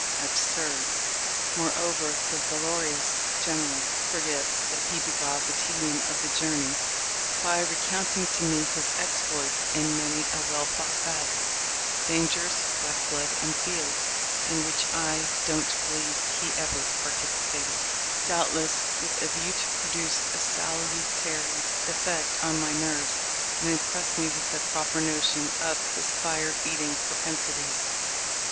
Absurd ! Moreover, the valorous General forgets that he beguiled the tedium of the journey by recounting to me his exploits in many a well fought battle, — dangers by "flood and field," in which I don't believe he ever participated, — doubtless with a view to produce a salutary effect on my nerves, and impress me with a proper notion of his fire eat ing propensities.